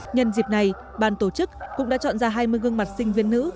nhân dịp này ban tổ chức cũng đã chọn ra hai mươi gương mặt sinh viên nữ